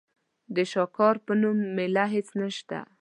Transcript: د شاکار په نوم مېله هېڅ نشته.